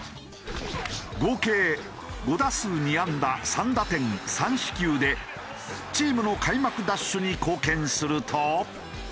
合計５打数２安打３打点３四球でチームの開幕ダッシュに貢献すると。